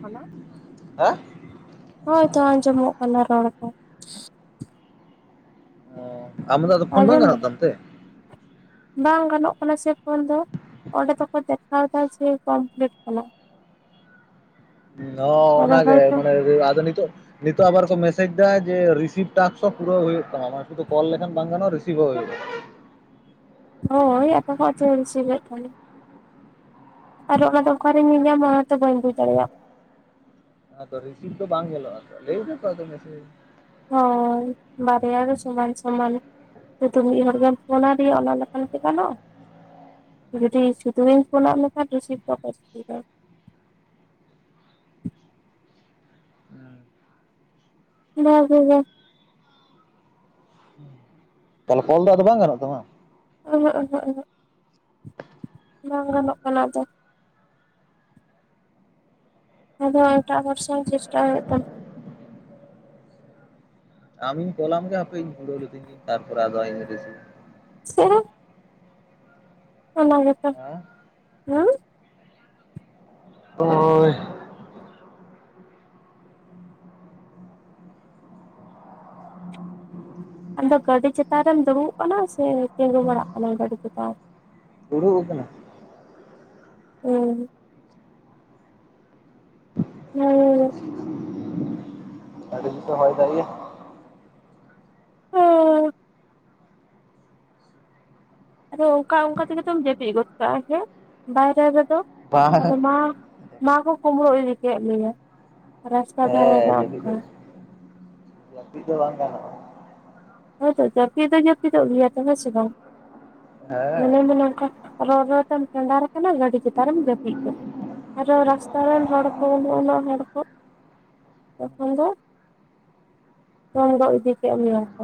Hello. ᱦᱮᱸ ᱦᱳᱭᱛᱚ ᱟᱸᱡᱚᱢᱚᱜ ᱠᱟᱱᱟ ᱨᱚᱲ ᱠᱚ ᱚ ᱟᱢ ᱫᱚ ᱟᱫᱚ ᱯᱷᱳᱱ ᱵᱟᱝ ᱟᱸᱡᱚᱢ ᱜᱟᱱᱚᱜ ᱫᱟᱢ ᱛᱟᱢ ᱛᱮ? ᱵᱟᱝ ᱜᱟᱱᱚᱜ ᱠᱟᱱᱟ ᱥᱮ ᱯᱷᱳᱱ ᱫᱚ ᱚᱸᱰᱮ ᱫᱚᱠᱚ ᱫᱮᱠᱷᱟᱣ ᱮᱫᱟ ᱡᱮ ᱠᱚᱢᱯᱞᱤᱴ ᱠᱟᱱᱟ ᱾ ᱦᱚᱸ ᱟᱫᱚ ᱚᱱᱟᱜᱮ ᱦᱚᱭᱛᱚ ᱢᱟᱱᱮ ᱟᱫᱚᱹᱱᱤᱛᱚᱜᱼᱼ ᱱᱤᱛᱚᱜ ᱟᱵᱟᱨ ᱠᱚ ᱢᱮᱥᱮᱡᱽ ᱫᱟ ᱡᱮ ᱨᱤᱥᱤᱵᱽ ᱴᱟᱥᱠ ᱦᱚᱸ ᱯᱩᱨᱟᱹᱣ ᱦᱩᱭᱩᱜ ᱛᱟᱢᱟ ᱢᱟᱱᱮ ᱥᱩᱫᱩ ᱠᱚᱞ ᱞᱮᱠᱷᱟᱱ ᱵᱟᱝ ᱜᱟᱱᱚᱜᱼᱟ ᱨᱤᱥᱤᱵ ᱦᱚᱸ ᱦᱩᱭᱩᱜᱼᱟ ᱾ ᱦᱳᱭ ᱟᱠᱚ ᱪᱚ [unintelligible] ᱥᱤᱵᱮᱫ ᱠᱟᱱᱟ ᱟᱨ ᱚᱱᱟ ᱫᱚ ᱚᱠᱨᱮ ᱧᱮᱧᱟᱢᱚᱜᱼᱟ ᱢᱚᱛᱚ ᱵᱟᱹᱧ ᱵᱩᱡ ᱫᱟᱲᱮᱭᱟᱜᱼᱼ ᱟᱛᱚ ᱨᱤᱥᱤᱵᱷ ᱫᱚ ᱵᱟᱝ ᱧᱮᱞᱚᱜᱼᱟ ᱛᱚ ᱞᱮᱭ ᱫᱟᱠᱚ ᱟᱫᱚ ᱢᱮᱥᱮᱡᱼᱼ ᱦᱚᱭ ᱵᱟᱨᱭᱟ ᱜᱮ ᱥᱚᱢᱟᱱ ᱥᱚᱢᱟᱱ ᱾ ᱥᱩᱫᱩ ᱢᱤᱫ ᱦᱚᱲ ᱜᱮ ᱯᱷᱳᱱᱟᱭ ᱫᱮᱭᱟ ᱚᱱᱟ ᱞᱮᱠᱟᱱ ᱠᱤ ᱜᱮ ᱜᱟᱱᱚᱜᱼᱟ᱾ ᱡᱩᱫᱤ ᱥᱩᱫᱷᱩ ᱜᱤᱧ ᱯᱷᱳᱱᱟᱫ ᱢᱮᱠᱷᱟᱱ ᱨᱤᱥᱤᱵᱷ ᱫᱚ ᱚᱠᱚᱭᱮᱼᱼ ᱵ ᱦ ᱦ [unintelligible] ᱛᱟᱦᱟᱞᱮ ᱠᱚᱞ ᱫᱚ ᱟᱫᱚ ᱵᱟᱝ ᱜᱟᱱᱚᱜ ᱛᱟᱢᱟ? ᱩᱩᱸᱸ [unintelligible] ᱵᱟᱝ ᱜᱟᱱᱚᱜ ᱠᱟᱱᱟ ᱟᱫᱚ ᱾ ᱟᱫᱚ ᱮᱴᱟᱜ ᱵᱚᱨᱥᱟ ᱪᱮᱥᱴᱟ ᱦᱩᱭᱩᱜ ᱛᱟᱢᱟ ᱾ ᱟᱢ ᱤᱧ ᱠᱚᱞ ᱟᱢ ᱜᱮ ᱦᱟᱯᱮᱧ ᱦᱩᱲᱟᱹᱣ [unintelligible] ᱞᱛᱤᱧ ᱜᱮ ᱛᱟᱨᱯᱚᱨᱨ ᱟᱫᱚ ᱤᱧᱤᱨᱤᱥᱤᱼᱼ ᱥᱮ [unintelligible] ᱚᱱᱟᱜᱮᱛᱚ ᱦᱮᱸ ᱦᱮᱸᱼᱼ ᱦᱳᱭ ᱟᱢᱫᱚ ᱜᱟᱹᱰᱤ ᱪᱮᱛᱟᱱ ᱨᱮᱢ ᱫᱩᱲᱩᱵ ᱠᱟᱱᱟ ᱥᱮ ᱛᱤᱸᱜᱩ ᱵᱟᱲᱟᱜ ᱠᱟᱱᱟᱢ ᱜᱟᱹᱰᱤ ᱪᱮᱛᱟᱱ ᱨᱮ? ᱫᱩᱲᱩᱵ ᱟᱠᱟᱱᱟ. ᱧ ᱾ ᱚ ᱦᱩᱸ ᱟᱹᱰᱤᱚ [unintelligible] ᱦᱚᱭ ᱫᱟᱭ ᱭᱟ ᱟᱫᱚ ᱚᱱᱠᱟ ᱚᱱᱠᱟ ᱛᱮᱜᱮ ᱛᱚᱢ ᱡᱟᱹᱯᱤᱫ ᱜᱚᱫ ᱠᱟᱜᱼᱟ ᱦᱮ ᱵᱟᱭᱨᱮ ᱨᱮᱫᱚ ᱵᱟᱝ ᱟᱫᱚ ᱢᱟᱼᱼ ᱢᱟ ᱠᱚ ᱠᱩᱢᱵᱽᱲᱩ ᱤᱫᱤ ᱠᱮᱫ ᱢᱮᱭᱟ ᱨᱟᱥᱛᱟ ᱫᱷᱟᱨᱮ ᱫᱚ ᱦᱮᱸ ᱡᱟᱹᱯᱤᱫ ᱚᱱᱠᱟᱼᱼ ᱫᱟᱭ᱾ ᱡᱟᱹᱯᱤᱫ ᱫᱚ ᱵᱟᱝ ᱜᱟᱱᱚᱜᱼᱟ ᱾ ᱦᱳᱭᱛᱚ ᱡᱟᱹᱯᱤᱫ ᱫᱚ ᱡᱟᱹᱯᱤᱫᱚᱜ ᱜᱮᱭᱟ ᱛᱚ ᱦᱮᱸ ᱥᱮ ᱵᱟᱝ ᱢᱚᱱᱮ ᱦᱮᱸ ᱢᱚᱱᱮ ᱱᱚᱝᱠᱟ᱾ ᱨᱚᱲ ᱨᱚᱲ ᱛᱮᱢ ᱴᱮᱸᱰᱟᱨ ᱟᱠᱟᱱᱟ ᱜᱟᱹᱰᱤ ᱪᱮᱛᱟᱱ ᱨᱮᱢ ᱡᱟᱹᱯᱤᱫ ᱠᱮᱫᱟ᱾ ᱟᱨᱚ ᱨᱟᱥᱛᱟ ᱨᱮᱱ ᱦᱚᱲ ᱠᱚ [unintelligible] ᱦᱚᱲ ᱠᱚ᱾ ᱛᱚᱠᱷᱚᱱ ᱫᱚ ᱛᱮᱱᱜᱚᱡ ᱤᱫᱤ ᱠᱮᱫ ᱢᱮᱭᱟ ᱠᱚ᱾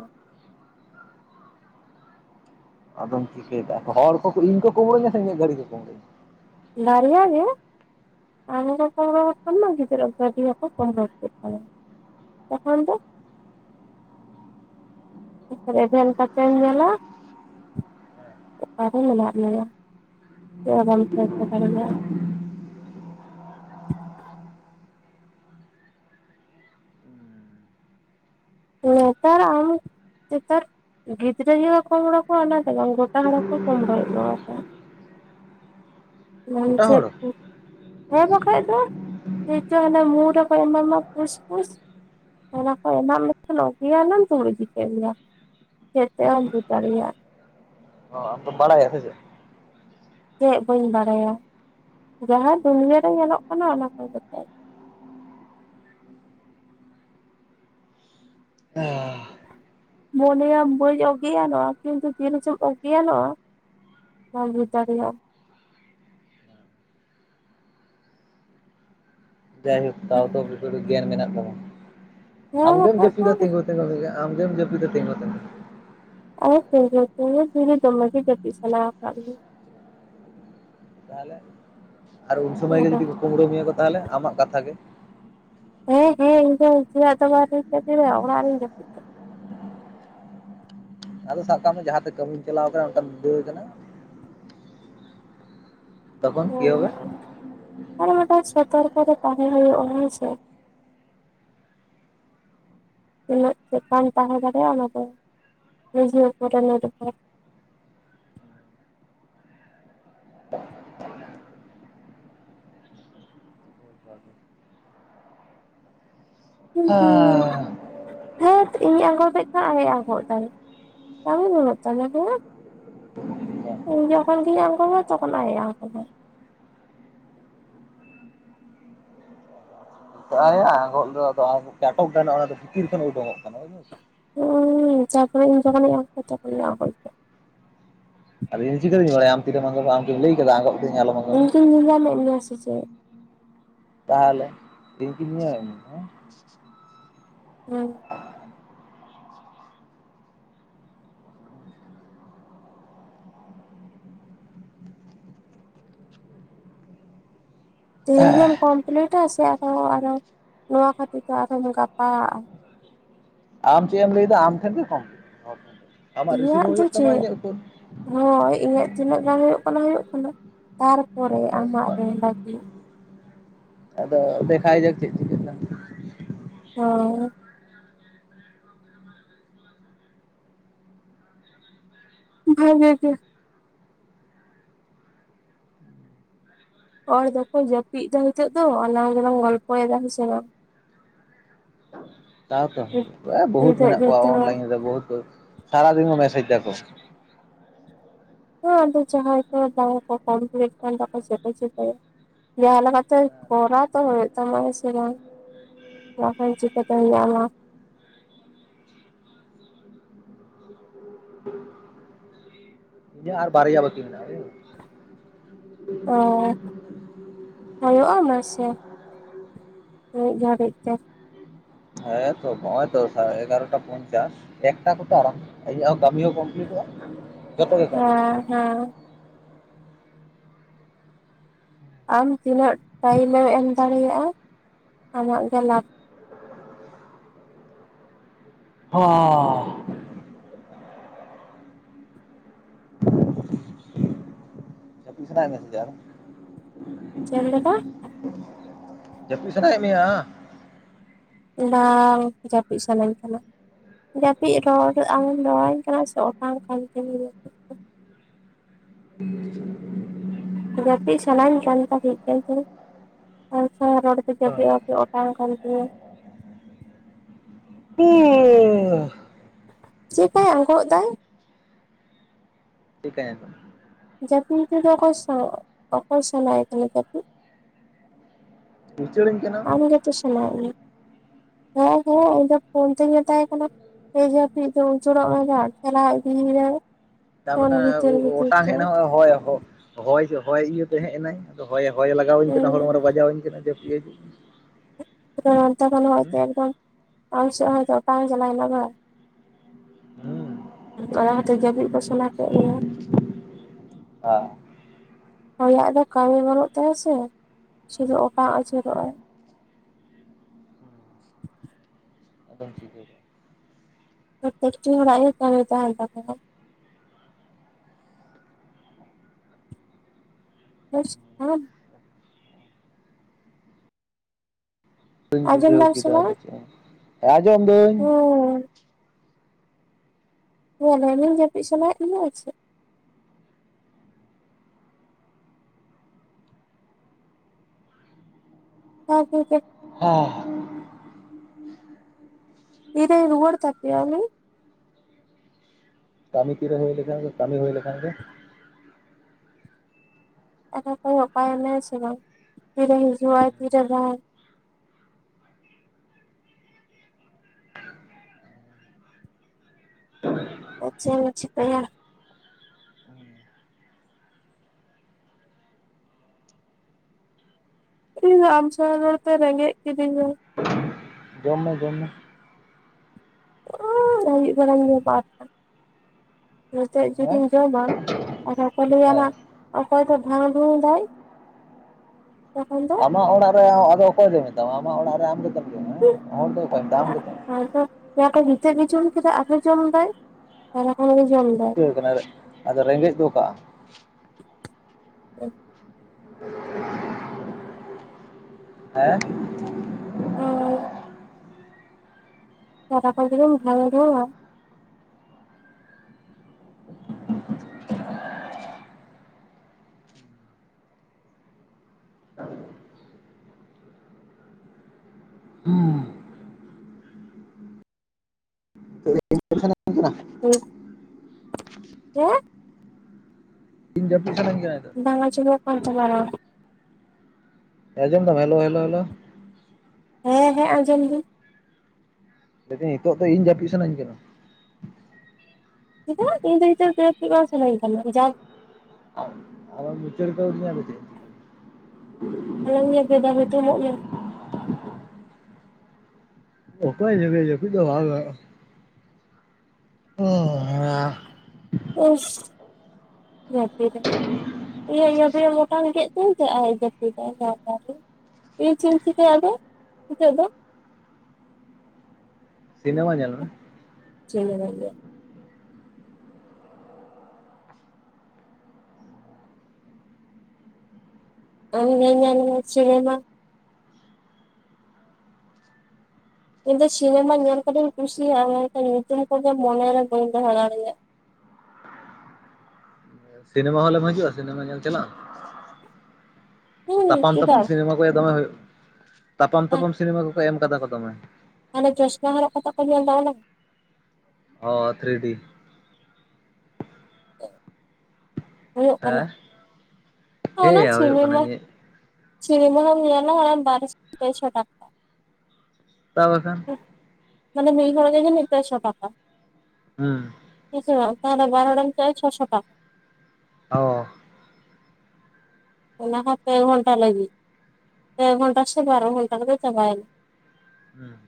ᱚᱢ ᱪᱤᱠᱟᱹᱭᱮᱫᱟ ᱦᱚᱲ ᱠᱚ ᱤᱧ ᱠᱚ ᱠᱩᱢᱲᱩᱧᱟ ᱥᱮ ᱤᱟᱹᱜ ᱜᱟᱹᱲᱤ ᱠᱚ ᱠᱩᱢᱲᱩᱧᱟ᱾ ᱫᱟᱨᱭᱟ ᱜᱮ᱾ [unintelligible] [unintelligible] ᱛᱟᱯᱚᱨᱮ ᱮᱵᱷᱮᱱ ᱠᱟᱛᱮᱢ ᱧᱮᱞᱟ ᱚᱠᱟᱨᱮ ᱢᱮᱱᱟᱜ ᱢᱮᱭᱟ᱾ [unintelligible] ᱱᱮᱛᱟᱨ ᱟᱢ᱾ ᱱᱮᱛᱟᱨ ᱜᱤᱫᱽᱨᱟᱹ ᱜᱮᱠᱚ ᱠᱚᱢᱲᱩ ᱠᱚᱣᱟ ᱚᱱᱟ ᱫᱚ ᱵᱟᱝ ᱜᱳᱴᱟ ᱦᱚᱲ ᱦᱚ ᱠᱚ ᱠᱚᱢᱲᱚᱭᱮᱫ ᱠᱚᱣᱟ ᱠᱚ ᱾ ᱜᱚᱴᱟ ᱦᱚᱲ? [unintelligible] ᱦᱮ ᱵᱟᱠᱷᱟᱭ ᱫᱚ ᱪᱮᱫ ᱪᱚ ᱢᱩ ᱨᱮᱠᱩ ᱮᱢᱟᱢᱟ ᱯᱷᱩᱥ ᱯᱷᱩᱥ᱾ ᱚᱱᱟ ᱠᱚ ᱮᱢᱟᱜ ᱢᱮ ᱠᱷᱟᱱ ᱚᱜᱽᱜᱮᱭᱟᱱ ᱮᱱᱟᱢ ᱛᱩᱞ ᱤᱫᱤ ᱠᱮᱫ ᱢᱮᱭᱟ ᱠᱚ᱾ ᱪᱮᱫ ᱛᱮᱫ ᱦᱚ ᱵᱟᱢ ᱵᱩᱡ ᱫᱟᱲᱮᱭᱟᱜ-ᱟ᱾ ᱟᱢ ᱫᱚᱢ ᱵᱟᱰᱟᱭᱟ ᱥᱮ ᱪᱮᱫ? ᱪᱮᱫ ᱵᱟᱹᱧ ᱵᱟᱲᱟᱭᱟ [inaudible] ᱡᱟᱦᱟᱸ ᱫᱩᱱᱭᱟᱹ ᱨᱮ ᱧᱮᱞᱚᱜ ᱠᱟᱱᱟ ᱚᱱᱟ ᱠᱚᱜᱮ ᱛᱚ ᱾ ᱢᱚᱱᱮᱭᱟ ᱵᱟᱹᱧ ᱚᱜᱮᱭᱟᱱᱚᱜ-ᱟ ᱠᱤᱱᱛᱩ ᱛᱤᱱ ᱨᱮᱪᱚᱢ ᱚᱜᱮᱭᱟᱱᱚᱜ-ᱟ ᱵᱟᱝ ᱵᱩᱡ ᱫᱟᱲᱮᱭᱟᱜ ᱟᱢ᱾ ᱡᱟᱭᱦᱳᱠ ᱛᱟᱣ ᱛᱚ ᱠᱤᱪᱷᱩ ᱫᱚ ᱜᱮᱭᱟᱱ ᱢᱮᱱᱟᱜ ᱛᱟᱢᱟ᱾ ᱦᱮᱸ ᱟᱢ ᱜᱮᱢ ᱵᱟᱠᱷᱟᱡ ᱫᱚ ᱡᱟᱹᱯᱤᱫᱟ ᱛᱤᱝᱜᱩ ᱛᱤᱝᱜᱩ ᱟᱢ ᱜᱮᱢ ᱡᱟᱹᱯᱤᱫᱟ ᱛᱤᱝᱜᱩ ᱛᱤᱝᱜᱩ᱾ ᱟᱨ ᱛᱤᱝᱜᱩ ᱛᱤᱝᱜᱩ [unintelligible] ᱛᱟᱦᱚᱞᱮ ᱟᱨ ᱩᱱ ᱥᱚᱢᱚᱭ ᱜᱮ ᱟᱫᱚ ᱡᱩᱫᱤ ᱠᱩᱢᱲᱩ ᱢᱮᱭᱟ ᱠᱚ ᱛᱟᱦᱚᱞᱮ ᱟᱢᱟᱜ ᱠᱟᱛᱷᱟ ᱜᱮ᱾ ᱦᱮᱸ ᱦᱮᱸ [unintelligible] ᱚᱲᱟᱜ ᱨᱤᱧ ᱡᱟᱹᱯᱤᱫ ᱠᱟᱫ᱾ ᱟᱫᱚ ᱥᱟᱵ ᱠᱟᱜ ᱢᱮ ᱡᱟᱦᱟᱸᱛᱮ ᱠᱟᱹᱢᱤᱢ ᱪᱟᱞᱟᱣ ᱟᱠᱟᱱᱟ ᱚᱱᱠᱟᱢ ᱧᱤᱸᱫᱟᱹᱣ ᱟᱠᱟᱱᱟ ᱛᱚᱠᱷᱚᱱ ᱦᱮ ᱠᱤ ᱦᱚᱵᱮ [inaudible] ᱟᱫᱚ ᱢᱤᱫ ᱴᱟᱝ ᱥᱚᱛᱚᱨᱠᱚ ᱨᱮ ᱛᱟᱦᱮᱸ ᱦᱩᱭᱩᱜ-ᱟ ᱦᱮᱸ ᱥᱮ᱾ ᱛᱤᱱᱟᱹᱜ ᱪᱮᱴᱷᱟᱢ ᱛᱟᱦᱮᱸ ᱫᱟᱲᱮᱭᱟᱜ-ᱟ ᱚᱱᱟ ᱫᱚ [inaudible] ᱱᱤᱡᱮ ᱩᱯᱚᱨ ᱨᱮ ᱱᱤᱨᱵᱷᱚᱨ᱾ ᱠᱤᱱᱛᱩ [inaudible] ᱛᱷᱟᱹᱴ ᱤᱧ ᱟᱝᱜᱚᱵᱮᱜ ᱠᱷᱟᱱ ᱟᱡ ᱟᱝᱜᱚᱵ ᱮᱫᱟᱭ ᱠᱟᱹᱢᱤ ᱵᱟᱹᱱᱩᱜ ᱛᱟᱢᱟ ᱦᱮᱸ ᱾ ᱤᱧ ᱡᱚᱠᱷᱚᱱ ᱜᱮᱧ ᱟᱝᱜᱚᱵᱟ ᱛᱚᱠᱷᱚᱱ ᱟᱡ ᱮ ᱟᱝᱜᱚᱵᱟ᱾ ᱵᱟᱝ ᱭᱟ ᱟᱸᱜᱚᱵ ᱫᱚ ᱟᱫᱚ [unintelligible] ᱚᱱᱟ ᱫᱚ ᱵᱷᱤᱛᱤᱨ ᱠᱷᱚᱱ ᱩᱰᱩᱠᱚᱜ ᱠᱟᱱᱟ ᱵᱩᱡᱷᱟᱹᱣ᱾ [unintelligible] ᱟᱫᱚ ᱤᱧ ᱪᱮᱠᱟᱹ ᱛᱤᱧ ᱵᱟᱰᱟᱭᱟ ᱟᱢ ᱪᱮᱠᱟᱢ ᱟᱸᱜᱚᱵᱟ ᱟᱢ ᱠᱤᱢ ᱞᱟᱹᱭ ᱠᱟᱫᱟ ᱟᱸᱜᱚᱵ ᱫᱟᱹᱧ ᱟᱞᱚᱢ ᱟᱸᱜᱚᱵᱟ᱾ ᱤᱧ ᱠᱤᱧ ᱧᱮᱞ ᱧᱟᱢᱮᱫ ᱢᱮᱭᱟ ᱥᱮ ᱪᱮᱫ᱾ ᱛᱟᱦᱚᱞᱮ ᱤᱧ ᱞᱤᱧ ᱧᱮᱧᱟᱢ ᱮᱫ ᱢᱮᱭᱟ ᱦᱮᱸ ᱾ ᱦᱩ ᱸ᱾ ᱛᱮᱦᱮᱧ ᱜᱮᱢ ᱠᱚᱢᱯᱞᱤᱴᱟ ᱥᱮ ᱟᱨᱚᱸ ᱟᱨᱦᱚ ᱱᱚᱣᱟ ᱠᱷᱟᱹᱛᱤᱨ ᱟᱨᱦᱚᱢ ᱜᱟᱯᱟᱟᱜ-ᱟ ᱾ ᱟᱢ ᱪᱮᱫ ᱮᱢ ᱞᱟᱹᱭᱮᱫᱟ ᱟᱢ ᱴᱷᱮᱱ ᱜᱮ ᱠᱚᱢ ᱟᱢᱟᱜ ᱨᱤᱥᱤᱵᱷ ᱤᱧᱟᱹᱜ ᱦᱚᱸ ᱫᱚ ᱦᱩᱭᱩᱜ ᱛᱟᱢᱟ ᱪᱮᱫ ᱤᱧᱟᱹᱜ ᱩᱛᱟᱹᱨ᱾ ᱦᱳᱭ ᱤᱧᱟᱹᱜ ᱛᱤᱱᱟᱹᱜ ᱜᱟᱱ ᱦᱩᱭᱩᱜ ᱠᱟᱱᱟ ᱦᱩᱭᱩᱜ ᱠᱟᱱᱟ ᱛᱟᱨᱯᱚᱨᱮ ᱟᱢᱟᱜ ᱨᱮ ᱞᱟᱹᱜᱤᱫ᱾ ᱟᱫᱚ ᱫᱮᱠᱷᱟᱭ ᱡᱟᱜ ᱪᱮᱫ ᱪᱤᱠᱟᱹᱜ ᱠᱟᱱᱟ ᱦᱚᱸ ᱾ ᱵᱷᱟᱜᱮ ᱜᱮ᱾ ᱦᱚᱲ ᱫᱚᱠᱚ ᱡᱟᱹᱯᱤᱫ ᱮᱫᱟ ᱱᱤᱛᱚᱜ ᱫᱚ ᱟᱞᱟᱝ ᱜᱮᱞᱟᱝ ᱜᱚᱞᱯᱚᱭᱮᱫᱟ ᱦᱮᱸ ᱥᱮ ᱵᱟᱝ᱾ [inaudible] ᱥᱟᱶ ᱛᱮᱦᱚᱸ ᱵᱚᱦᱩᱛ ᱱᱤᱛᱚᱜ ᱢᱮᱱᱟᱜ ᱠᱚᱣᱟ ᱡᱚᱛᱚ ᱦᱚᱲ ᱚᱱᱞᱟᱭᱤᱱ ᱨᱮ ᱵᱚᱦᱩᱛ ᱥᱟᱨᱟ ᱧᱤᱫᱟᱹ ᱠᱚ ᱢᱮᱥᱮᱡᱽ ᱮᱫᱟᱠᱚ᱾ ᱦᱮᱸ ᱟᱫᱚ ᱡᱟᱦᱟᱸᱭ ᱠᱚ ᱵᱟᱝ ᱠᱚ ᱠᱚᱢᱯᱞᱤᱴ ᱠᱷᱟᱱ [unintelligible] ᱡᱟᱦᱟᱸ ᱞᱮᱠᱟᱛᱮ ᱠᱚᱨᱟᱣ ᱛᱚ ᱦᱩᱭᱩᱜ ᱛᱟᱢᱟ ᱦᱮᱸ ᱥᱮ ᱵᱟᱝ ᱾ ᱵᱟᱠᱷᱟᱱ ᱪᱤᱠᱟᱛᱮᱢ ᱧᱟᱢᱟ ᱾ ᱤᱧᱟᱜ ᱟᱨ ᱵᱟᱨᱭᱟ ᱵᱟᱠᱤ ᱢᱮᱱᱟᱜ-ᱟ ᱾ ᱚ [inaudible] ᱦᱩᱭᱩᱜ-ᱟ ᱢᱟ ᱥᱮ ᱾ [inaudible] ᱢᱤᱫ ᱜᱷᱟᱲᱤᱡ ᱛᱮ ᱾ ᱦᱮᱸ ᱛᱚ ᱦᱚᱸᱜ-ᱚᱭ ᱛᱚ ᱥᱟ ᱮᱜᱟᱨᱳᱴᱟ ᱯᱚᱧᱪᱟᱥ ᱮᱠᱴᱟ ᱠᱚᱛᱮ ᱟᱨᱟᱢ ᱤᱧᱟᱹᱜ ᱦᱚᱸ ᱠᱟᱢᱤ ᱦᱚ ᱠᱚᱢᱯᱞᱤᱴᱚᱜ-ᱟ ᱾ ᱦᱮᱸ ᱦᱮᱸ ᱾ ᱟᱢ ᱛᱤᱱᱟᱹᱜ ᱴᱟᱭᱤᱢᱮᱢ ᱮᱢ ᱫᱟᱲᱮᱭᱟᱜ-ᱟ [inaudible] ᱟᱢᱟᱜ ᱜᱮ ᱞᱟᱵᱷ ᱾ ᱦᱚᱸᱻ ᱾ [unintelligible] ᱥᱟᱱᱟᱭᱮᱫ ᱢᱮᱭᱟ ᱥᱮᱪᱮᱫ ᱟᱫᱚ? ᱪᱮᱜ ᱮᱢ ᱞᱟᱹᱭ ᱫᱟ? ᱡᱟᱯᱤᱜ ᱥᱟᱱᱟᱭᱮᱫ ᱢᱮᱭᱟ? ᱵᱟᱝ ᱡᱟᱹᱯᱤᱫ ᱥᱟᱱᱟᱧ ᱠᱟᱱᱟ ᱾ ᱡᱟᱹᱯᱤᱫ ᱨᱚᱲ ᱟᱢᱮᱢ ᱨᱚᱲᱟᱹᱧ ᱠᱟᱱᱟ ᱥᱮ ᱚᱴᱟᱝ ᱠᱟᱱ ᱛᱤᱧᱟ ᱡᱟᱯᱤᱫ ᱾ [unintelligible] ᱡᱟᱹᱯᱤᱫ ᱥᱟᱱᱟᱧ ᱠᱟᱱ ᱛᱟᱦᱮᱸᱫ ᱠᱟᱱ [unintelligible] ᱟᱢ ᱥᱟᱶ ᱨᱳᱲ ᱛᱮ ᱡᱟᱯᱤᱫ ᱢᱟᱯᱤᱜ ᱚᱴᱟᱝ ᱠᱟᱱ ᱛᱤᱧᱟ ᱾ [unintelligible] ᱪᱮᱫᱠᱟᱭ ᱟᱝᱜᱚᱜ ᱫᱟᱭ ᱾ ᱪᱮᱫ ᱠᱟᱧ ᱟᱜᱚᱜ ᱫᱟ? ᱡᱟᱹᱯᱤᱫ ᱛᱮ ᱫᱚ ᱚᱠᱚᱭ ᱥᱟᱶ ᱚᱠᱚᱭ ᱥᱟᱱᱟᱭᱮᱫ ᱠᱟᱱᱟ ᱡᱟᱯᱤᱫ? ᱩᱪᱟᱹᱲ ᱟᱹᱧ ᱠᱟᱱᱟᱢ ᱾ ᱥᱟᱱᱟᱭᱮᱜ ᱢᱮᱭᱟ, ᱦᱮᱸ ᱦᱮᱸ ᱤᱧ ᱫᱚ ᱯᱷᱳᱱ ᱛᱤᱧ ᱢᱮᱛᱟᱭ ᱠᱟᱱᱟ ᱮ ᱡᱟᱹᱯᱤᱫ ᱫᱚ ᱩᱪᱟᱹᱲᱚᱜ ᱢᱮ ᱵᱟᱝ, ᱪᱟᱞᱟᱣ ᱤᱫᱤᱭᱮᱭᱟᱭ [unintelligible] ᱾ ᱛᱟ ᱵᱟᱠᱷᱟᱱ ᱚᱴᱟᱝ ᱦᱮᱡ ᱮᱱᱟ [unintelligible] ᱦᱚᱭ ᱦᱚ ᱦᱚᱭ ᱦᱚᱭ ᱤᱭᱟᱹ ᱛᱮ ᱦᱮᱡ ᱮᱱᱟᱭ ᱟᱫᱚ ᱦᱚᱭᱮ ᱦᱚᱭ ᱞᱟᱜᱟᱣᱟᱹᱧ ᱠᱟᱱᱟ ᱦᱚᱲᱢᱚ ᱨᱮ ᱦᱮᱸ ᱵᱟᱡᱟᱣᱟᱹᱧ ᱠᱟᱱᱟ ᱡᱟᱹᱯᱤᱫ ᱦᱤᱡᱩᱜ ᱱᱚᱱᱛᱮ ᱠᱷᱚᱱ ᱦᱚᱭ ᱦᱩᱸ ᱛᱮ ᱮᱠᱫᱚᱢ ᱟᱢ ᱥᱮᱫ ᱦᱚᱭ ᱛᱮ ᱚᱴᱟᱝ ᱪᱟᱞᱟᱣ ᱱᱟ ᱵᱟ? ᱦᱩᱸ ᱚᱱᱟ ᱠᱷᱟᱛᱤᱨ ᱡᱟᱯᱤᱫ ᱠᱚ ᱥᱟᱱᱟ ᱠᱮᱫ ᱢᱮᱭᱟ ᱾ ᱦᱟ ᱾ ᱦᱚᱭᱟᱜ ᱫᱚ ᱠᱟᱹᱢᱤ ᱵᱟᱹᱱᱩᱜ ᱛᱟᱭᱟ ᱥᱮ ᱥᱩᱫᱩ ᱚᱴᱟᱝ ᱟᱹᱪᱩᱨᱚᱜ ᱟᱭ ᱾ ᱟᱫᱚᱢ ᱪᱤᱠᱟᱹᱭᱟ? [unintelligible] ᱦᱚᱲᱟᱜ ᱜᱮ ᱠᱟᱢᱤ ᱛᱟᱦᱮᱱ ᱛᱟᱠᱚᱣᱟ ᱾ [unintelligible] ᱵᱟᱹᱧ ᱟᱸᱡᱚᱢ ᱵᱩᱡᱷᱟᱹᱣ ᱫᱟᱢ ᱥᱮ ᱠᱮᱫᱟ ᱟᱫᱚ ᱵᱟᱝ ᱪᱮᱫ [unintelligible] ᱟᱸᱡᱚᱢ ᱫᱟᱹᱧ ᱾ ᱦᱮᱸ ᱦᱮ ᱞᱟᱹᱭ ᱫᱤᱧ ᱡᱟᱹᱯᱤᱫ ᱥᱟᱱᱟᱭᱮᱫ‌ ᱢᱮᱫᱚ ᱟᱨ ᱪᱮᱫ ᱾ [unintelligible] ᱦᱮᱸ ᱾ ᱛᱤᱨᱮᱭ ᱨᱩᱣᱟᱹᱲ ᱛᱟᱯᱮᱭᱟ ᱩᱱᱤ? ᱠᱟᱹᱢᱤ ᱛᱤᱨᱮ ᱦᱩᱭ ᱞᱮᱠᱷᱟᱱ ᱜᱮ ᱠᱟᱹᱢᱤ ᱦᱩᱭ ᱞᱮᱱᱠᱷᱟᱱ ᱜᱮ ᱾ ᱟᱫᱚ ᱠᱚᱭᱚᱜ ᱠᱟᱭ ᱢᱮ ᱦᱮᱸ ᱥᱮ ᱵᱟᱝ ᱛᱤ ᱨᱮ ᱦᱤᱡᱩᱜ-ᱟᱭ ᱛᱤᱨᱮ ᱵᱟᱝ ᱾ ᱟᱪ ᱪᱮᱢ ᱪᱤᱠᱟᱹᱭᱟ? ᱩᱱᱤ ᱫᱚ ᱟᱢ ᱥᱟᱶ ᱨᱚᱲ ᱛᱮ ᱨᱮᱸᱜᱮᱡ ᱠᱤᱫᱤᱧᱟ ᱾ ᱡᱚᱢ ᱢᱮ ᱡᱚᱢ ᱢᱮ ᱾ ᱩᱸᱻ ᱟᱹᱭᱩᱵ ᱵᱮᱲᱟᱢ ᱡᱚᱢᱟ [unintelligible] ᱱᱤᱛᱚᱜ ᱦᱮᱸ ᱡᱩᱫᱤᱢ ᱡᱚᱢᱟ ᱟᱫᱚ ᱠᱚ ᱞᱟᱹᱭᱟ ᱱᱟᱜ ᱚᱠᱚᱭ ᱫᱚ ᱰᱷᱟᱝ ᱵᱷᱩᱝ ᱫᱟᱭ ᱾ ᱟᱢᱟᱜ ᱚᱲᱟᱜ ᱨᱮ ᱟᱫᱚ ᱚᱠᱚᱭ ᱞᱮ ᱢᱮᱛᱟᱢᱟ ᱟᱢᱟᱜ ᱚᱲᱟᱜ ᱨᱮ ᱟᱢ ᱜᱮᱛᱚᱢ ᱡᱚᱢᱟ, ᱦᱮᱸ ᱦᱚᱲ ᱫᱚ ᱚᱠᱚᱭ ᱢᱮᱛᱟᱢ ᱟᱢ ᱜᱮᱛᱚ ᱾ ᱞᱟᱹᱭᱟᱠᱚ ᱱᱤᱛᱚᱜ ᱜᱮ ᱡᱚᱢ ᱠᱤᱫᱟᱭ ᱟᱨᱚ ᱡᱚᱢᱫᱟᱭ ᱾ ᱥᱟᱨᱟ ᱠᱷᱚᱱ ᱜᱮ ᱡᱚ ᱪᱤᱠᱟᱹᱣ ᱠᱟᱱᱟ ᱟᱫᱚ ᱨᱮᱸᱜᱮᱡ ᱫᱚ ᱚᱠᱟᱜᱼᱟ ᱾ ᱦᱮᱸᱦ? ᱦᱳᱭ ᱾ ᱥᱟᱨᱟ ᱠᱷᱚᱱ ᱡᱩᱫᱤᱢ ᱰᱷᱟᱝ ᱰᱷᱩᱝᱟ [unintelligible] [unintelligible] ᱤᱧ ᱡᱟᱹᱯᱤᱫ ᱥᱟᱹᱱᱟᱹᱧ ᱠᱟᱱᱟ ᱱᱤᱛᱚᱜ ᱵᱟᱝ ᱟᱸᱡᱚᱢᱚᱜ ᱠᱟᱱ ᱛᱟᱢᱟ ᱨᱚᱰ ᱟᱸᱡᱚᱢ ᱫᱟᱢ ᱦᱮᱞᱳ ᱦᱮᱞᱳ ᱦᱮᱞᱳ ᱦᱮᱞᱳ ᱦᱮᱸ ᱦᱮᱸ ᱟᱸᱡᱚᱢ ᱫᱟᱹᱤᱧ ᱾ ᱞᱟᱹᱭᱰᱤᱧ ᱱᱤᱛᱚᱜ ᱫᱚ ᱤᱧ ᱡᱟᱹᱯᱤᱫ ᱥᱟᱱᱟᱧ ᱠᱟᱱᱟ᱾ ᱪᱤᱫᱟᱺ ᱤᱧ ᱫᱚ ᱱᱤᱛᱚᱜ ᱫᱚ ᱡᱟᱯᱤᱫ ᱵᱟᱝ ᱠᱟᱱᱟ ᱡᱟ [inaudible] ᱢᱮᱫᱦᱟᱸ ᱦᱩᱛᱩᱢᱚᱜ ᱢᱮ᱾ [unintelligible] [unintelligible] ᱚᱣᱩᱥ ᱡᱟᱯᱤᱰᱟᱭ [unintelligible] ᱤᱧ ᱪᱮᱧ ᱪᱤᱠᱟᱹᱭᱟ ᱟᱫᱚ ᱱᱤᱛᱚᱜ ᱫᱚ? ᱥᱤᱱᱤᱢᱟ ᱧᱮᱞ ᱢᱮ᱾ ᱥᱤᱱᱤᱢᱟᱧ ᱧᱮᱞ ᱟᱢ ᱜᱮ ᱧᱮᱞ ᱢᱮ ᱥᱤᱱᱤᱢᱟ᱾ ᱤᱧ ᱫᱚ ᱥᱤᱱᱤᱢᱟ ᱧᱮᱞ ᱠᱟᱫᱤᱧ ᱠᱩᱥᱤᱭᱟᱜᱼᱟ ᱢᱮᱱᱠᱷᱟᱱ ᱧᱩᱛᱩᱢ ᱠᱚᱜᱮ ᱢᱚᱱᱮᱨᱮ ᱵᱟᱹᱧ ᱫᱚᱦᱚ ᱫᱟᱲᱮᱭᱟᱜ ᱥᱤᱱᱤᱢᱟ ᱦᱚᱞᱢ ᱦᱤᱡᱩᱜᱼᱟ ᱥᱤᱱᱤᱢᱟ ᱧᱮᱞ ᱪᱟᱞᱟᱜᱼᱟ ᱦᱩᱸ ᱛᱟᱯᱟᱢ ᱛᱟᱯᱟᱢ ᱪᱮᱫᱟᱜ ᱥᱤᱱᱤᱢᱟ ᱫᱚᱢᱮ ᱦᱩᱭᱩᱜ ᱛᱟᱯᱟᱢ ᱛᱟᱯᱟᱢ ᱥᱤᱱᱤᱢᱟ ᱠᱚᱠᱚ ᱮᱢ ᱠᱟᱫᱟ ᱠᱚ ᱫᱚᱢᱮ᱾ ᱦᱟᱱᱮ ᱪᱮᱥᱴᱟ ᱦᱚᱨᱚᱜ ᱠᱟᱛᱮᱜ ᱠᱚ ᱧᱮᱞ ᱫᱚ ᱚᱱᱟ? ᱦᱚ ᱛᱷᱨᱤ ᱰᱤ ᱦᱩᱭᱩᱜ ᱠᱟᱱᱟ ᱦᱮᱸ ᱦᱮᱸ ᱚᱱᱟ ᱦᱩᱭᱩᱜ ᱠᱟᱱᱟ ᱥᱤᱱᱤᱢᱟ ᱤᱧᱟᱹᱜ ᱥᱤᱱᱤᱢᱟ ᱦᱚᱸᱞ ᱧᱮᱞᱟ ᱚᱱᱟ ᱵᱟᱨᱚᱥᱚ ᱯᱮᱥᱚ ᱴᱟᱠᱟ ᱛᱟᱣ ᱵᱟᱠᱷᱟᱱ ᱡᱟᱱᱮ ᱢᱤᱫ ᱦᱚᱱ ᱜᱮ ᱡᱟᱹᱱᱤᱡ ᱯᱮ ᱥᱚ ᱴᱟᱠᱟ? ᱦᱩᱸ ᱦᱮᱸ ᱥᱮ ᱵᱟᱝ ᱛᱟᱦᱞᱮ ᱵᱟᱨ‌ ᱦᱚᱬᱮᱢ ᱪᱟᱜᱼᱟ ᱪᱷᱚᱥᱚ ᱴᱟᱠᱟ᱾ ᱚ ᱚᱱᱟ ᱦᱚᱸ ᱯᱮ ᱜᱷᱚᱱᱴᱟ ᱞᱟᱹᱜᱤᱫ ᱯᱮ ᱜᱷᱚᱱᱴᱟ ᱥᱮ ᱵᱟᱨᱚ ᱜᱷᱚᱱᱴᱟ ᱨᱮᱜᱮ ᱪᱟᱵᱟᱭᱮᱱᱟ᱾ ᱦᱩᱸ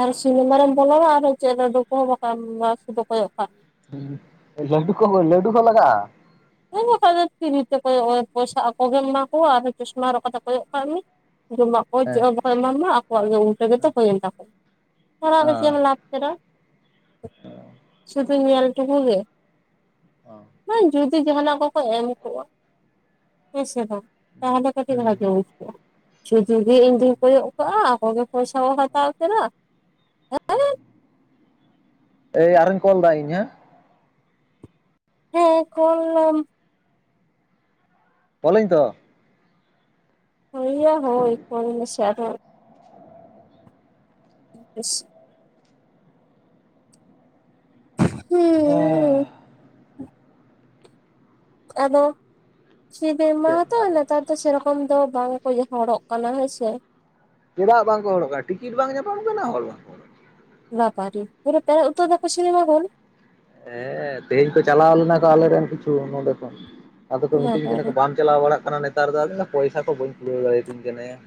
ᱟᱨ ᱥᱤᱱᱤᱢᱟ ᱨᱮᱢ ᱵᱚᱞᱣᱟ ᱟᱨ ᱪᱮᱫ [unintelligible] ᱥᱩᱫᱷᱩ ᱠᱚᱭᱚᱜ ᱠᱟᱜ ᱦᱩᱸ ᱜᱚᱝᱠᱮ ᱠᱚᱦᱚᱸ ᱞᱟᱹᱰᱩ ᱠᱚ ᱞᱟᱜᱟᱜᱼᱟ? ᱦᱚᱭ ᱵᱟᱠᱷᱟᱡ ᱫᱚ ᱯᱷᱤᱨᱤ ᱛᱮ ᱠᱚᱭᱚᱜ ᱮ ᱯᱚᱭᱥᱟ ᱟᱠᱚᱜᱮᱢ ᱮᱢᱟ ᱠᱚᱣᱟ ᱟᱨ ᱪᱚᱥᱢᱟ ᱦᱚᱨᱚᱜ ᱠᱟᱛᱮ ᱠᱚᱭᱚᱜ ᱠᱟᱫᱜ ᱢᱮ ᱡᱚᱢᱟᱜ ᱠᱚ ᱪᱮᱫ ᱦᱮᱸ ᱦᱚᱸᱠᱚ ᱮᱢᱟᱢᱟ ᱟᱠᱚᱣᱟᱜ ᱜᱮ ᱩᱞᱴᱟᱹ ᱜᱮᱛᱚ ᱦᱩᱭᱮᱱ ᱛᱟᱠᱚᱣᱟ [unintelligible] ᱚ ᱫᱚ ᱪᱮᱫ ᱮᱢ ᱞᱟᱵᱷ ᱠᱮᱫᱟ᱾ ᱦᱩᱸ ᱥᱮ ᱧᱮᱞ ᱴᱩᱠᱩ ᱜᱮ ᱵᱟᱝ ᱡᱩ ᱫᱤ ᱡᱟᱦᱟᱱᱟᱜ ᱠᱚᱠᱚ ᱮᱢ ᱠᱚᱜᱼᱟ ᱦᱮᱸ ᱥᱮ ᱵᱟᱝ ᱛᱟᱦᱚᱞᱮ ᱠᱟᱹᱴᱤᱡ ᱦᱩᱸ ᱵᱷᱟᱜᱤ ᱵᱩᱡ ᱠᱚᱜᱼᱟ ᱾ ᱥᱩᱫᱷᱩ ᱜᱮ ᱤᱧ ᱫᱩᱧ ᱠᱚᱭᱚᱜ ᱠᱟᱜᱼᱟ ᱟᱠᱚᱜᱮ ᱯᱚᱭᱥᱟ ᱠᱚ ᱦᱟᱛᱟᱣ ᱠᱟᱫᱟ [inaudible] ᱮᱭ ᱟᱨᱚᱧ ᱠᱚᱞ ᱮᱫᱟ ᱤᱧ ᱦᱮᱸ? ᱦᱮᱸ ᱠᱚᱞ ᱞᱮᱢ ᱠᱚᱞᱟᱹᱧ ᱛᱚ ᱦᱳᱭ ᱭᱟ ᱦᱳᱭ ᱠᱚᱞ ᱢᱮᱥᱮ ᱟᱨᱚ [unintelligible] ᱦᱮᱸᱻ᱾ ᱦᱩᱸ ᱟᱫᱚ, ᱪᱮᱫ [unintelligible] ᱟᱫᱚ ᱞᱟᱛᱟᱨ ᱛᱚ ᱥᱮᱨᱚᱠᱚᱢ ᱫᱚ ᱵᱟᱝᱠᱚ ᱡᱚᱦᱚᱲᱚᱜ ᱠᱟᱱᱟ ᱦᱮᱸᱥᱮ᱾ ᱪᱮᱫᱟᱜ ᱵᱟᱝᱠᱚ ᱦᱚᱲᱚᱜᱼᱠᱟᱱᱟ? ᱴᱤᱠᱤᱴ ᱵᱟᱝ ᱧᱟᱯᱟᱢ ᱠᱟᱱᱟ, ᱦᱚᱲ ᱵᱟᱝ ᱠᱚ ᱵᱟᱯᱟᱨᱤ ᱯᱩᱨᱟᱹ ᱯᱮᱨᱮᱜ ᱩᱛᱟᱹᱨ ᱫᱟᱠᱚ ᱥᱤᱱᱮᱢᱟ ᱦᱳᱞ᱾ ᱠᱟᱱᱟ ᱦᱮᱸ ᱛᱮᱦᱮᱧ ᱠᱚ ᱪᱟᱞᱟᱣ ᱞᱮᱱᱟ ᱠᱚ ᱟᱞᱮᱨᱮᱱ ᱠᱤᱪᱷᱩ ᱱᱚᱰᱮ ᱠᱷᱚᱱ, ᱟᱫᱚ ᱠᱚ ᱢᱤᱛᱟᱹᱧ ᱠᱟᱱᱟ ᱠᱚ ᱵᱟᱢ ᱪᱟᱞᱟᱣ ᱵᱟᱲᱟᱜ ᱠᱟᱱᱟ ᱱᱮᱛᱟᱨ ᱫᱚ, ᱟᱫᱚᱧ ᱞᱮᱭᱼᱟ ᱯᱚᱭᱥᱟ ᱠᱚ ᱵᱟᱹᱧ ᱠᱩᱲᱟᱹᱣ ᱫᱟᱲᱮᱭᱟᱛᱤᱧ ᱠᱟᱱᱟ ᱭᱟ ᱾